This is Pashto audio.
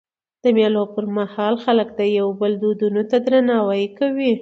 د مېلو پر مهال خلک د یو بل دودونو ته درناوی کوي.